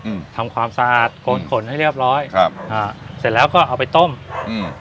อืมทำความสะอาดโกนขนให้เรียบร้อยครับอ่าเสร็จแล้วก็เอาไปต้มอืม